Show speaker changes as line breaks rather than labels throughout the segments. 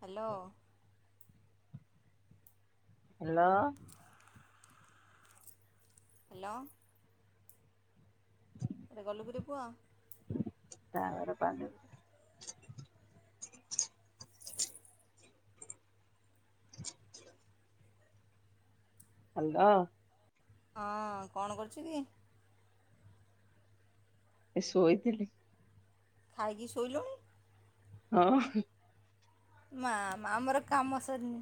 Hello.
Hello.
Hello. କୁଆଡେ ଗଲୁ କି ରେ ପୁଅ?
ସେ ବର ପା [inaudible] ହଁ
ହଁ କଣ କରୁଚି କି?
ଏ ଶୋଇଥିଲି।
ଥାଇ କି ଶୋଇଲୁଣି।
ହଁ।
ମା ଆମର କାମ ସରିନି।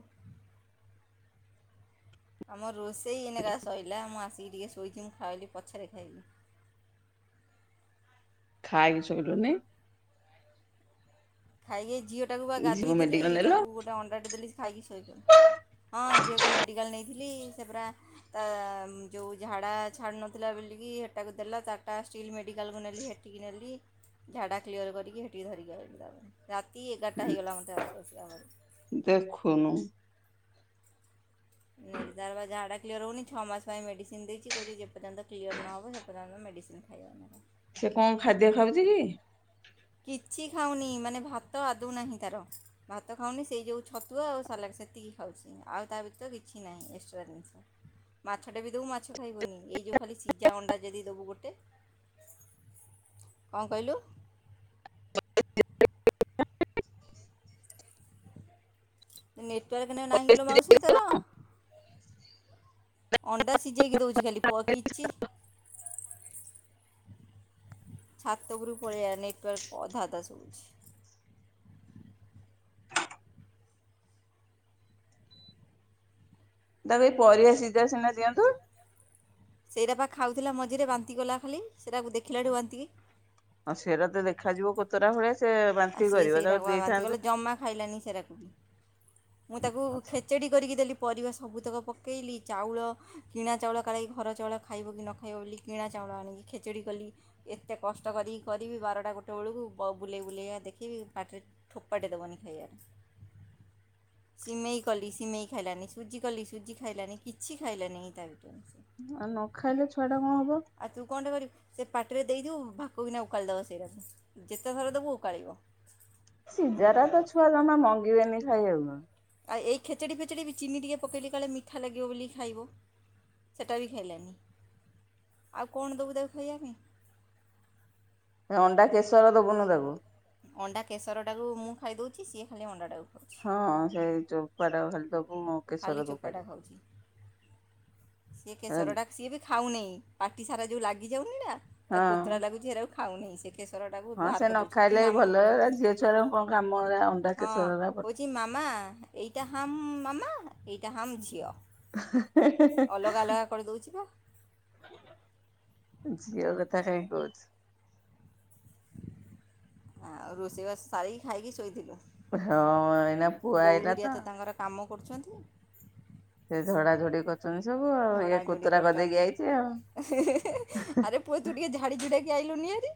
ଆମ ରୋଷେଇ ଏନକା ସୋଇଲା ମୁଁ ଆସିକି ଟିକେ ଶୋଇଛି ମୁଁ ଖାଇଲି ପଛରେ ଖାଇବି।
ଖାଇକି ସଇଲୁଣି?
ଖାଇକି ଝିଅଟାକୁ ବା ଗାଧୋଇ
ଝିଅକୁ
ଦେଲି
ମେଡିକାଲ ନେଲ
ତାକୁ ଗୋଟେ ଅଣ୍ଡାଟେ ଦେଲି। ଖାଇକି ଶୋଇବ ହଁ ଝିଅକୁ ମେଡ଼ିକାଲ ନେଇଥିଲି ସେ ପୁରରା ତା ଯେଉଁ ଝାଡ଼ା ଛାଡ଼ୁ ନଥିଲା ବୋଲିକି ହେଟାକୁ ଦେଲା ତାଟା ଷ୍ଟିଲ୍ ମେଡ଼ିକାଲକୁ ନେଲି ହେ ସେଠିକି ନେଲି ଝାଡ଼ା କ୍ଲିଅର କରିକି ସେଠିକି ଧରିକି ଆ ତା ପାଇଁ। ରାତି ଏଗାରଟା ହେଇଗଲା ମତେ ଆସୁ ଆସୁ ତା ପରେ।
ଦେଖୁନୁ।
[unintelligible] ତାର ବା ଝାଡା କ୍ଲିୟର ହଉନି। ଛଅ ମାସ ପାଇଁ ମେଡିସିନ୍ ଦେଇଛି, କହୁଛି ଯେପର୍ଯ୍ୟନ୍ତ କ୍ଲିୟର ନ ହବ ସେ ପର୍ଯ୍ୟନ୍ତ ମେଡ଼ିସିନ୍ ଖାଇବା। [unintelligible]
ସେ କଣ ଖାଦ୍ୟ ଖାଉଛି କି?
କିଛି ଖାଉନି ମାନେ ଭାତ ଆଦୌ ନାହିଁ ତାର। ଭାତ ଖାଉନି ସେଇ ଯୋଉ ଛତୁଆ ଆଉ ସାଲାଡ଼୍ ସେତିକି ଖାଉଛି। ଆଉ ତା ବ୍ୟତିତ କିଛି ନାହିଁ ଏଷ୍ଟ୍ରା ଜିନିଷ। ମାଛଟେ ବି ଦବୁ ମାଛ ଖାଇବନି। ଏଇ ଯୋଉ ଖାଲି ସିଜା ଅଣ୍ଡା ଯଦି ଦବୁ ଗୋଟେ କଣ କହିଲୁ?
[inaudible]
ନେଟୱାର୍କ ନ-ନାହିଁ କିଲୋ
କି?
ମାଉସୀ ତୋର? ଅଣ୍ଡା ସିଝେଇକି ଦଉଛି ଖାଲି ପ କିଛି ଛାତ ଉପୁରୁକୁ ପଳେଇଆ ନେଟୱାର୍କ ଅଧା ଅଧା ଶୁଭୁଛି।
ତାକୁ ଏଇ ପରିବା ସିଝା ସିନା ଦିଅନ୍ତୁ।
ସେଇଟା ପା ଖାଉଥିଲା ମଝିରେ ବାନ୍ତିକଲା ଖାଲି। ସେଇଟାକୁ ଦେଖିଲାଠୁ ବାନ୍ତିିକି
ହଁ ସେଗୁରା ତ ଦେଖାଯିବ କୋତରା ଭଳିଆ ସେ ବାନ୍
ଆ ସିଏ ସେଇଟାକୁ ବା ବାନ୍ତି କଲା। ଜମା ଖାଇଲାନି ସେଗୁରାକୁ ବି। ମୁଁ ତାକୁ
ଆଉ
ଖେଚେଡ଼ି କରିକି ଦେଲି ପରିବା ସବୁତକ ପକେଇଲି ଚାଉଳ କିଣା ଚାଉଳ କାଳେ ଘର ଚାଉଳ ଖାଇବ କି ନ ଖାଇବ ବୋଲି କିଣା ଚାଉଳ ଆଣିକି ଖେଚେଡ଼ି କଲି ଏତେ କଷ୍ଟ କରିକି କରିବି ବାରଟା ଗୋଟେ ବେଳୁକୁ ବ-ବୁଲେଇ ବୁଲେଇକା ଦେଖିବି ପାଟିରେ ଠୋପାଟେ ଦବନି ଖାଇଆର। ସିମେଇ କଲି ସିମେଇ ଖାଇଲାନି, ସୁଜି କଲି ସୁଜି ଖାଇଲାନି, କିଛି ଖାଇଲାନି ତା ଭିତରୁ।
ଆଉ ନ ଖାଇଲେ ଛୁଆଟା କଣ ହବ?
ଆଉ ତୁ କଣଟେ କରିବୁ ସେ ପାଟିରେ ଦେଇଥିବୁ ଭାକ୍କୁ କିନା ଓକାଳିଦବ ସେଇଗୁରାକୁ। ଯେତେ ଥର ଦବୁ ଓକାଳିବ।
ସିଝାଟା ତ ଛୁଆ ଜମା ମଙ୍ଗିବେନି ଖାଇବାକୁ।
ଆଉ ଏଇ ଖେଚେଡ଼ି ଫେଚେଡ଼ି ବି ଚିନି ଟିକେ ପକେଇଲି କାଳେ ମିଠା ଲାଗିବ ବୋଲି ଖାଇବ ସେଇଟା ବି ଖାଇଲାନି। ଆଉ କଣ ଦବୁ ତାକୁ ଖାଇବା ପାଇଁ?
ଏ ଅଣ୍ଡା କେଶର ଦବୁନୁ ତାକୁ।
ଅଣ୍ଡା କେଶରଟାକୁ ମୁଁ ଖାଇ ଦଉଛି, ସିଏ ଖାଲି ଅଣ୍ଡାଟାକୁ ଖାଉଛି।
ହଁ ସେଇ ଚୋପାଟାକୁ ଖାଲି ଦବୁ। କେଶର
ଖାଲି
ଦବୁ
ଚୋପାଟା ଖାଉଛି। ସିଏ
ଖାଇଦବ
କେଶରଟା ସିଏ ବି ଖାଉନେଇ। ପାଟି ସାରା ଯୋଉ ଲାଗିଯାଉନି ନା, ତାକୁ କୋତରା
ହଁ
ଲାଗୁଛି ସେଗୁରାକୁ ଖାଉନାହିଁ ସିଏ। କେଶରଟାକୁ
ହଁ
ବାହାର
ସେ ନ
କରିଦଉଛି। କହୁଛି
ଖାଇଲେ ବି
ମାମା
ଭଲ ଏରା ଝିଅ ଛୁଆର କଣ କାମ ଏରା ଅଣ୍ଡା
ହଁ
କେଶର ଏରା ଭଲ।
କହୁଛି କି ମାମା ଏଇଟା ହାମ୍ ମାମା, ଏଇଟା ହାମ୍ ଝିଅ। ଅଲଗା ଅଲଗା କରିଦଉଛି ବା।
ଝିଅ କଥା କାଇଁ କହୁଛୁ।
ଆଉ ରୋଷେଇବାସ ସାରିକି ଖାଇକି ଶୋଇଥିଲୁ?
ହଁ ଏଇନା ପୁଅ
ବୋଉ
ଆଇଲା
ଘରିକା ତ ତାଙ୍କର କାମ କରୁଛନ୍ତି।
ସେ ଝଡାଝଡି କରୁଛନ୍ତି ସବୁ ଆଉ। ଇଏ
ଝଡ଼ାଝଡ଼ି
କୋତରା
କରୁଛନ୍ତି
କରିଦେଇକି ଆଇଛି ଆଉ।
ଆରେ ପୁଅ ତୁ ଟିକେ ଝାଡ଼ିଝୁଡ଼ାକି ଆଇଲୁନି ଭାରି।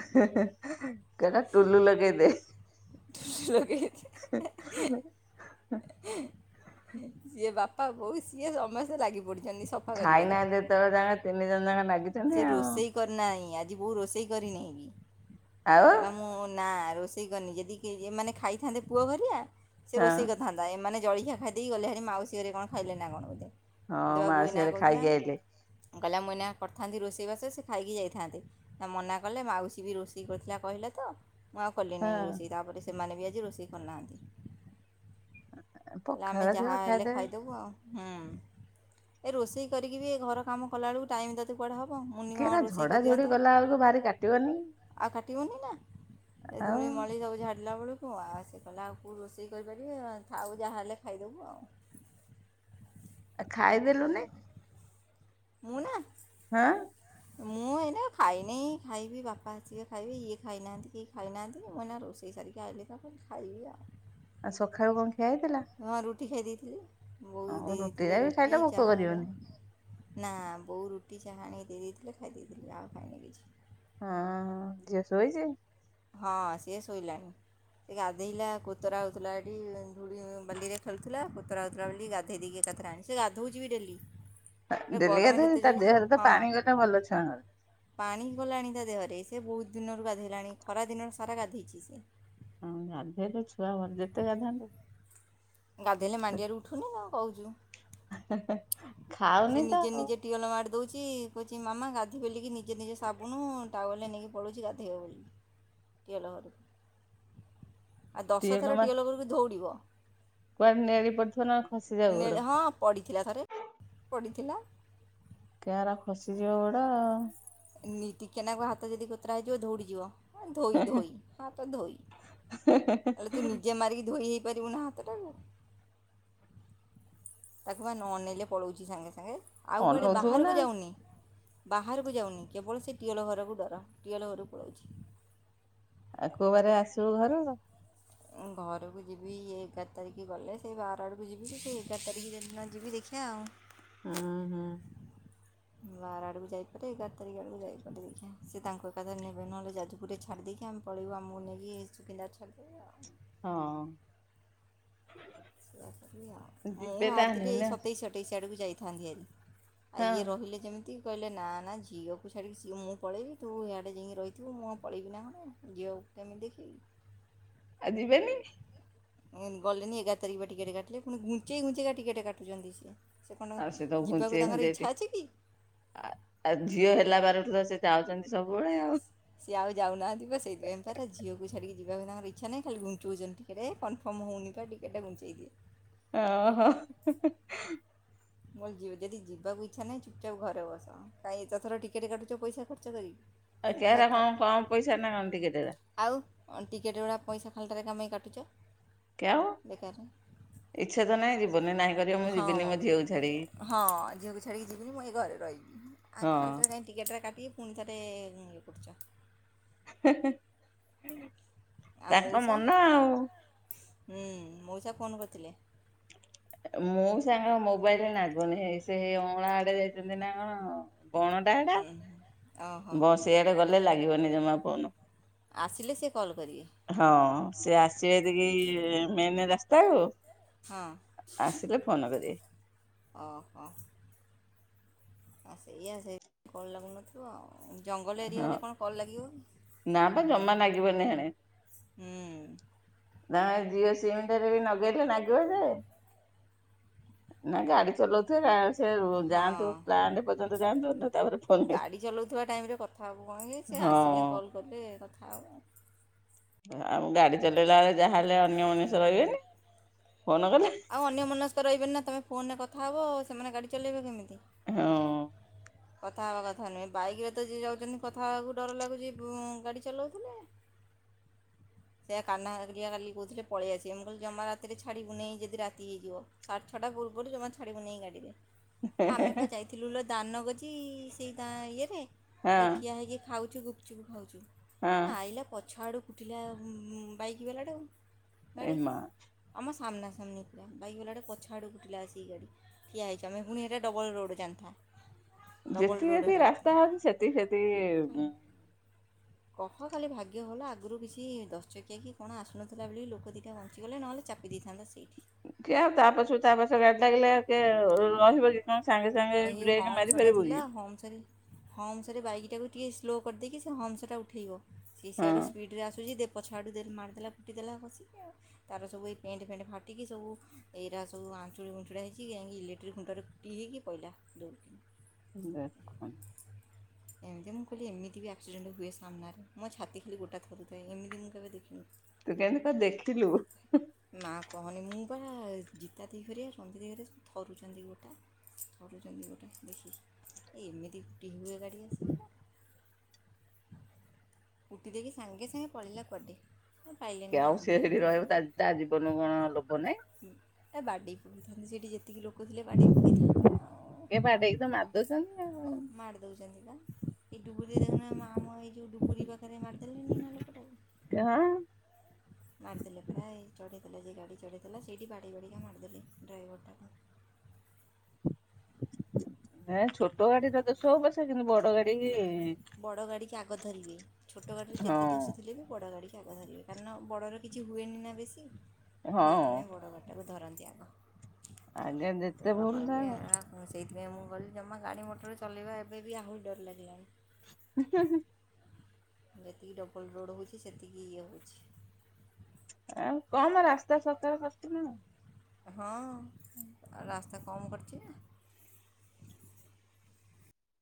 ହେଁ ହେଁ କହିଲା ଟୁଲୁ ଲଗେଇ ଦେ।
ଲଗେଇ। [unintelligible]
[unintelligible]
ସିଏ ବାପା ବୋଉ ସିଏ ସମସ୍ତେ ଲାଗି ପଡି
ଖାଇନାହାନ୍ତି ଏତୋବେଳଜାକେ ତିନି ଜଣ ଜାକ ନାଗିଚନ୍ତି।
ସେ ରୋଷେଇ କରିନାହିଁ ଆଜି ବୋଉ ରୋଷେଇ କରିନେହିଁ ବି
ଆଉ
କହିଲା ମୁଁ ନା ରୋଷେ ରୋଷେଇ କରିନେହିଁ ଯଦିଏମାନେ ଖାଇଥାନ୍ତେ ପୁଅ ଘରିକା ସେ
ହଁ
ରୋଷେଇ କରିଥାନ୍ତା। ଏମାନେ ଜଳଖିଆ ଖାଇ ଦେଇେଇ ଗଲେ ବାହାରି ମାଉସୀ ଘରେ କଣ ଖାଇଲେ ନା କଣ ବୋଧେ। ମତେ
ହଁ
ପା ବୋଉ
ମାଉସୀ
ଏନା
ଘରେ
କହୁଥିଲା
ଖାଇକି ଆଇଲେ।
କହିଲା ମୁଁ ଏନା କରିଥାନ୍ତି ରୋଷେଇବାସ ସେ ଖାଇକି ଯାଇଥାନ୍ତେ ମନା କଲେ ମାଉସୀ ବି ରୋଷେଇ କରିଥିଲା କହିଲା ତ। ମୁଁ ଆଉ କଲି
ହଁ
ନେହିଁ ରୋଷେଇ ତାପରେ ସେମାନେ ବି ଆଜି ରୋଷେଇ କରିନାହାନ୍ତି। କହିଲେ ଆମେ
ପଖାଳ ଥିବ
ଯାହା ହେଲେ
ଖାଇଦେବେ
ଖାଇଦେବୁ ଆଉ। ହୁଁ ଏ ରୋଷେଇ କରିକି ବି ଏ ଘର କାମ କଲା ବେଳକୁ ଟାଇମ୍ ଦ କୁଆଡେ ହବ ମୁନି
କି
କଣ
ଏରା
ରୋଷେଇ
ଝଡା ଝଡି
କରିଦିଅନ୍ତା।
କଲା ବେଳକୁ ଭାରି କାଟିବନି।
ଆଉ କାଟିବନେହିଁ ନା
ଆଉ
ଧୂଳି ମଳି ସବୁ ଝାଡ଼ିଲା ବୋଳୁକୁ। ଛୁଆ ସେ କଲା ଆଉ କୋଉ ରୋଷେଇ କରିପାରିବେ ଥାଉ ଯାହା ହେଲେ ଖାଇଦେବୁ ଆଉ।
ଖାଇଦେଲୁନି
ତୁକଲୁନେହିଁ। ମୁଁ ନା
ହଁ।
ମୁଁ। କାଇଁ ଖାଇନି ଖାଇବି ବାପା ଆସିବେ ଖାଇବି ଇଏ ଖାଇନାହାନ୍ତି କିଏ ଖାଇନାହାନ୍ତି ମୁଏନା ରୋଷେଇ ସାରିକି ଆଇଲି। ତାପରେ ଖାଇଲା।
ଆଉ ସଖାଳୁ କଣ ଖିଆ ହେଇଥିଲା?
ହ ମା ରୁଟି ଖାଇ ଦେଇେଇଥିଲି ବୋଉ ଦେଇ
ହଁ
ଦେଇଥିଲେ
ଟା ବି
ରୁଟି
ଖାଇଲେ ଭୋକ
ଚା
କରିବନି।
ହେରିକା। ନା ବୋଉ ରୁଟି ଚାହାଆଣିକି ଦେଇ ଦେଇଥିଲେ ଖାଇ ଦେଇଥିଲି ଆଉ ଖାଇନେହଁ କିଛି।
ହଁ ଝିଅ ଶୋଇଚି?
ହଁ ସିଏ ଶୋଇଲାଣି। ସେ ଗାଧୋଇଲା କୋତୋରା ହୋଉଥୁଲା ଏଠି ଧୂଳି ବାଲି ରେ ଖେଳୁଥିଲା କୋତୋରା ହୋଉଥିଲା ବୋଲି ଗା କେଇ ଦେଇକି ଏକାଥରେ ଆଣି ସେ ଗାଧୋଉଚିବି ଡେଲି। ଏ
ଦେଡଲି
ଗରମ
ଗାଧୋଉଚି
ଯେତେ
ତା
ଜୋର
ଦେହରେ ତ
ହଁ
ପାଣି ଗଲେ ଭଲ ଛୁଆଙ୍କର।
ପାଣି ଗଲାଣି ତା ଦେହରେ ସେ ବହୁତୁ ଦିନରୁ ଗାଧେଇଲାଣି ଖରା ଦିନ ସାରା ଗାଧେଇଚି ସେ।
ହଁ ଗାଧେଇଲେ ଛୁଆ ଭଲ ଯେତେ ଗାଧାନ୍ତୁ।
ଗାଧେଇଲେ ମାଣ୍ଡିଆରୁ ଉଠୁନି କଣ କହୁଚୁ।
[inaudible]
ସେ
ତ
ନିଜେ
ଆଉ
ନିଜେ ଟିଓଲ ମାଡ଼ି ଦୋଉଚି କୋହୁଚି ମାମା ଗାଧୋଇବ ବୋଲିକି ନିଜେ ନିଜେ ସାବୁନୁ ଟାଉଏଲେ ନେଇକି ପଳଉଚି ଗାଧେଇବ ବୋଲି। ଟିଅଲଘରକୁ ଆଉ ଦଶ
ଟିକେ
ଥର
ଜମା
ଟିଅ ଲଘରକୁ ଧୋଉଡ଼ିବ।
କୁଆଡେ ନେଳି ପଡିଥିବ ନନେ ଖସିଯାଉ ଗୋଡେ।
ହଁ ପଡ଼ିଥିଲା ଥରେ। ପଡ଼ିଥିଲା।
କିଏରା ଖସିଯିବ ଗୋଡ।
ନିତିି ଟିକେନାକୁ ହାତ ଯଦି କୋତରା ହେଇଯିବ ଧୌଡ଼ିଯିବ। ହଁ ଧୋଇ ଧୋଇ ହା ତ ଧୋଇ ଆଲେ ତୁ ନିଜେ ମାରିକି ଧୋଇ ହେଇ ପାରିବୁ ନା। ତାଟାଙ୍ଗ। ତାକୁ ପା ନଅନେଇଲେ ପଳଉଛି ସାଙ୍ଗେ ସାଙ୍ଗେ ଆଉ କୁଆଡ଼େ
ଅନଉଥିବୁ ନା
ବାହାରକୁ ଯାଉନେହିଁ। ବାହାରକୁ ଯାଉନି କେବଳ ସେ ଟିଓଲ ଘରକୁ ଡର ଟିଓଲ ଘରକୁ ପୋଳୋଉଚି।
ଆଉ କୋଉ ବାରେ ଆସିବୁ ଘରୁକୁ?
ଘରକୁ ଯିବି ଏଗାର ତାରିଖ ଗଲେ ସେ ବାର ଆଡ଼କୁ ଯିବି ସେ ଏଗାର ତାରିଖ ଦିନ ଯିବି ଦେଖିଆ।
ଅଁ ହଁ।
ବାର ଆଡକୁ ଯାଇପାରେ ଏଗାର ତାରିଖ ଆଡକୁ ଯାଇପାରେ ଦେଖା ସେ ତାଙ୍କୁ ଏକାଥ ନେବେ ନହେଲେ ଯାଜ ପୁର୍ ରେ ଛାଡ଼ଦେଇକି ଆମେ ପଳେଇବୁ ଆମକୁ ନେଇକି ସୁକିନ୍ଦା ରେ ଛାଡ଼ିଦେବେ ଆଉ।
ହଁ।
ମୁଁ
ଯିବେ
ବାହାରିଥିଲି
ତାହେଲେ
ଏଇ
ନା
ସତେଇସ୍ ଅଠେଇସି ଆଡ଼କୁ ଯାଇଥାନ୍ତି ହାରି। ଆ
ହଁ
ଇଏ ରହିଲେ ଯେମିତି କହିଲେ ନା ନା ଝିଅକୁ ଛାଡ଼ିକି ସି ମୁଁ ପଳେଇବି ତୁ ଆଡ଼େ ଯାଇକି ରହିଥିବୁ ମୁଁ କଣ ପଳେଇବି ନା ଝିଅକୁ କେମିତି ଦେଖିବି?
ଆ ଯିବେନି।
ଗଲିନି ଏଗାରତାରିଖ ବା ଟିକେଟ କାଟିଲେ ପୁଣି ଘୁଞ୍ଚେଇ ଘୁଞ୍ଚେଇ କା ଟିକେଟ କାଟୁଛନ୍ତି ସେ। ସେ କଣ
ଆଉ ତ
ଯିବାକୁ
ଘୁଞ୍ଚେଇ
ତାଙ୍କର
ଘୁଞ୍ଚେଇ
ଇଚ୍ଛା ଅଛି କି।
ଆ ଆଉ ଝିଅ ହେଲା ବାରଠୁ ତ ସେ ଯାଉଛନ୍ତି ସବୁବେଳେ ଆଉ।
ସିଏ ଆଉ ଯାଉ ନାହାନ୍ତି ବା ସେଥିପାଇଁ ତ ତାର ଝିଅକୁ ଛାଡିକି ଯିବା ପାଇଁ ତାଙ୍କର ଇଚ୍ଛା ନାହିଁ ଖାଲି ଘୁଞ୍ଚୁଉଛନ୍ତି। ଟିକେଟ କନଫର୍ମ ହୋଉନି ତ ଟିକଟେ ଘୁଞ୍ଚାଇ ଦିଏ।
ଓହୋ।
ମୁ ଅ ଲି ଯଦି ଯିବାକୁ ଇଚ୍ଛା ନାହିଁ ଚୁପ ଚାପ ଘରେ ବସ। କାଇଁ ଏତେ ଥର ଟିକେଟ କାଟୁଚ ପଇସା ଖର୍ଚ୍ଚ କରିକି
ଆଉ
ପନ୍ଦର
ଚହରା ହଁ
ଥର
କମ ପଇସା ନା କଣ ଟିକେଟେରା।
ଆଉ ଟିକେଟ୍ ଉରା ପଇସା ଖାଲଟାରେ କଁ ପାଇଁ କାଟୁଛ।
କେଉ
ବେକାର ରେ
ଇଚ୍ଛା ତ ନାହିଁ ଯିବନି ନାହିଁ କରିବ ମୁଁ
ହଁ।
ଯିବିନି ମୋ ଝିଅକୁ ଛାଡିକି
ହଁ ଝିଅକୁ ଛାଡ଼ିକି ଯିବିନି ମୁଁ ଏଇ ଘରେ ରହିବି
ହଁ
ଆଉ ଖାଲଟା ରେ କାଇଁ ଟିକେଟ ରା କାଟିକି ପୁଣି ଥରେ ଇଏ କରୁଛ।
[unintelligible]
ଆଉ
ତାଙ୍କ
ମଉସା
ମନ ଆଉ।
ହୁଁ ମଉସା ଫୋନ୍ କରିଥିଲେ।
ମୋଉଶା ଙ୍କ ମୋବାଇଲ ନାଗୁନି ହେଇ ସେଇ ଅଁଳା ଆଡେ ଯାଇଛନ୍ତି ନା କଣ। ବଣ ଟା ହେଟା
ଓହୋ
ବ ସିଆଡେ ଗଲେ ଲାଗିବନି ଜମା ଫୋନ୍।
ଆସିଲେ ସେ କଲ୍ କରିବେ।
ହଁ ସେ ଆସିବେ ଟିକେ ଏ ମେନ୍ ରାସ୍ତାକୁ
ହଁ।
ଆସିଲେ ଫୋନ କରିବେ।
ଓହୋ। ଆ ସେଇଆ ସେଇ କଲ୍ ଲାଗୁନଥିବ ଆଉ ଜଙ୍ଗଲ ଏରିଆ
ହଁ
ହେଲେ କଣ କଲ୍ ଲାଗିବ।
ନା ପା ଜମା ଲାଗିବନି ହେଣେ।
ହୁଁ।
ନା ଜିଓ ସିମରେ ଟା ରେ ବି ଲଗେଇଲେ ନାଗିବ ଯେ
[inaudible]
ନା ଗାଡି ଚଲାଉଥିବେ ସେ
ହଁ
ଯାଆନ୍ତୁ ପ୍ଲାଣ୍ଡ ପର୍ଯ୍ୟନ୍ତ ଯାଆନ୍ତୁ ତାପରେ
ହଁ
ଫୋନ
ଗାଡ଼ି ଚଲାଉଥିବା ଟାଇମ୍ରେ କଥା ହବୁ କଣ କି ସେ ଆସିଲେ
ହଁ
କଲ୍ କଲେ କଥା ହବ।
ଆଉ ଗାଡି ଚଲେଇଲା ବେଳେ ଯାହାହେଲେ ଅନ୍ୟ ମନିଷ ରହିବେନି ଫୋନ କଲେ।
ଆଉ ଅନ୍ୟ ମନସ୍କ ରହିବେନି ନା ତୁମେ ଫୋନ୍ରରେ କଥା ହେବ ଆ ସେମାନେ ଗାଡ଼ି ଚଲାଇବେ କେମିତି।
ହଁ।
କଥା ହବା କଥା ନୁହେଁ ବାଇକରେ ତ ଯିଏ ଯାଉଛନ୍ତି କଥା ହେବାକୁ ଡର ଲାଗୁଛି ଗାଡ଼ି ଚଲଉଥିଲେ। ସେୟା କାହ୍ନା ହାରିକା କାଲି କହୁଥିଲେ ପଳି ଆସିବେ ମୁ କହିଲି ଜମା ରାତିରେ ଛାଡ଼ିବୁ ନେଇ ଯଦି ରାତି ହେଇଯିବ। ସାଡ୍ ଛଟା ପୁର୍ବ ରୁ ଜମା ଛାଡିବୁ ନେଇ ଗାଡିରେ। ଆମେ ପା ଯାଇଥିଲୁ ଲୋ ଦାନଗଜି ସେଇ ତା ଇଏରେ
ହଁ
ଏଇ ଠିଆ ହେଇକି ଖାଉଛୁ ଗୁପଚୁପ ଖାଉଚୁ।
ହଁ।
ଆଇଲା ପଛ ଆଡ଼ୁ ଫୁଟିଲା ବାଇକ୍ ବାଲାଟାକୁ ଗାଡ଼ି।
ଏମା
ଆମ ସାମ୍ନା ସାମ୍ନି ଥିଲା ବାଇକ୍ ବଲାଟାକୁ ପଛ ଆଡେକୁ ଠିଲଥିଲା ସେଇ ଗାଡି। ଠଆ ହେଇଛ ଆମେ ପୁଣି ସେଇଟା ଡବଲ୍ ରୋଡ଼୍ ଜାଣି ଥା।
ଯେତିକି ଯେତିକି ରାସ୍ତା ହଉଛି ସେତିକି
କହ ଖାଲି ଭାଗ୍ୟ ଭଲ ଆଗରୁ କିଛି ଦଶ ଚକିଆ କି କଣ ଆସୁନଥିଲା ବୋଲି ଲୋକ ଦିଇଟା ବଞ୍ଚିଗଲେ ନହେଲେ ଚାପି ଦେଇଥାନ୍ତା ସେଇଠି।
କିଏ ଆଉ ତାପଛରୁ ତାପଛରେ ଗାଡି ଲାଗିଲେ ଆଉ କିଏ ରହିବ କି ସାଙ୍ଗେ। ସାଙ୍ଗେ
ଏଇ
ବ୍ରେକ୍
ହମସ୍ ଟା
ମାରିପାରିବୁ କି
ଥିଲା ହମସ୍ ରେ। ହମ୍ସରେ ବାଇକ୍ ଟାକୁ ଟିକଏ ସ୍ଲୋ କରିଦେଇକି ସେ ହମ୍ସଟା ଉଠେଇବ ସିଏ
ହଁ
ସିଆଡ଼ୁ ସ୍ପିଡ଼ରେ ଆସୁଛି ଦେ ପଛ ଆଡ଼ୁ ଦେ ମାରିଦେଲା କୁଟି ଦେଲା କଷିକି ଆଉ। ତାର ସବୁ ଏଇ ପେଣ୍ଟ ଫେଣ୍ଟ ଫାଟିକି ସବୁ ଏଇରା ସବୁ ଆଞ୍ଚୁଳିୁଞ୍ଚୁା ହେଇଛି ଯାଇଁକି ଇଲେକ୍ଟ୍ରିକ ଖଣ୍ଟୁରରେ ଫୁଟି ହେ ହୋଇକି। କହିଲା ଦଉନି।
ଦେଖନ୍ତୁ।
[inaudible] ଏମିତି ମୁଁ କହିଲି ଏମିତି ବି ଆକ୍ସିଡେଣ୍ଟ ହୁଏ ସାମ୍ନାରେ ମୋ ଛାତି ଖାଲି ଗୋଟା ଥରୁଥାଏ ଏମିତି ମୁଁ କେବେ ଦେଖିନି।
ତୁ କେମିତି କ ଦେଖିଲୁ।
ମା କହନି ମୁଁ ବାରା ଜିତା ଦେଇ ଘରିଆ ସନ୍ଧି ଦେଇ ଘରିଆ ଥରୁଛନ୍ତି ଗୋଟା। କରୁଛନ୍ତି ଗୋଟେ ଦେଖି ଏମିତି ଗୁଟି ହୁଏ ଗାଡ଼ି ଆସ। କୁଟି ଦେଇକି ସାଙ୍ଗେ ସାଙ୍ଗେ ପଳେଇଲା କୁଆଡେ।
କି ଆଉ ସି ସେଠି ରହିବ ତା ଜୀବନରୁ କଣ ଲୋଭ ନାହିଁ।
ଏ ବାଡ଼େଇ ସେଇଠି ଯେତିକି ଲୋକ ଥିଲେ ବାଡ଼େଇ ପଡ଼ୁ
ଏ ବାଡେଇକି ତ ମାରି ଦଉଛନ୍ତି ଆଉ।
ମାରି ଦଉଛନ୍ତିବା। ଏଇଡୁବୁରିରେ ଦେଖୁ ମା ଆମ ଏଇ ଯୋଉ ଡୁବୁରି ପାଖରେ ମାରିଦେଲେଣିି ନା ଲୋକଟାକୁ।
ସେ ହଁ।
[inaudible] ମାରିଦେଲେ ପ୍ରାୟ ଏଇ ଚଢ଼େଇ ଦେଲେ ଯେ ଗାଡ଼ି ଚଢ଼େଇଥିଲା ସେଇଠି ବାଡେଇ ବାଡ଼ିକା ମାରିଦେଲେ ଡ୍ରାଇଭରଟାକୁ।
ନାଁ ଛୋଟ ଗାଡିଟା ଦେଖିବ ପଛେ କିନ୍ତୁ ବଡ ଗାଡି
ବଡ଼ ଗାଡ଼ିିକି ଆଗ ଧରିବେ ଛୋଟ ଗାଡ଼ିରେ
ହଁ।
ଯେତେ ଦୋଷ ଥିଲେ ବି ବଡ଼ ଗାଡ଼ିିକି ଆଗ ଧରିବେ। କାରଣ ବଡ଼ର କିଛି ହୁଏନି ନା ବେଶୀ
ହଁ
ସେଇଥିପାଇଁ ବଡ଼ ଘରଟାକୁ ଧରନ୍ତି ଆଗ।
ଆଜ୍ଞା ଯେତେ
ଦେବ
ଭୁଲ
କହିଲି ଆ
ଥାଉ
ଆ କହୁଛି [unintelligible] ସେଇଥିପାଇଁ ମୁଁ ଗଲି ଜମା ଗାଡ଼ି ମଟର ଚଲେଇବା ଏବେ ବି ଆହୁରି ଡର ଲାଗିଲାଣି।
[unintelligible]
ଯେତିକି ଡବଲ୍ ରୋଡ଼୍ ହେଉଛି ସେତିକି ଇଏ ହେଉଛି।
ଆଉ କମ୍ ରାସ୍ତା ସଫା କରିଥିଲେ ନା କଣ?
ହଁ ରାସ୍ତା କମ୍ କରିଛି ନା